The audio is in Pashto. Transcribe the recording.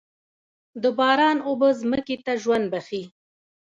د باران اوبه ځمکې ته ژوند بښي.